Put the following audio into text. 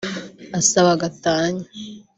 asaba gatanya